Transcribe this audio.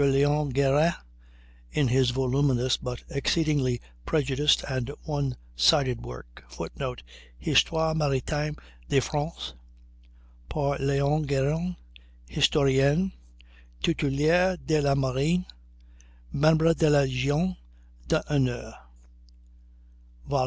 Léon Guérin, in his voluminous but exceedingly prejudiced and one sided work, [Footnote: "Histoire Maritime de France" (par Léon Guérin, Historien titulaire de la Marine, Membre de la Legion d'Honneur), vi.